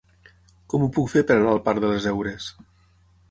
Com ho puc fer per anar al parc de les Heures?